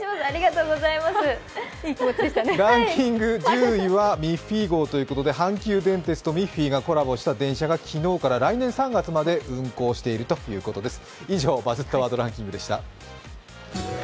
ランキング１０位はミッフィー号ということで阪急電鉄とミッフィーがコラボした電車が来年３月まで運行しているということです。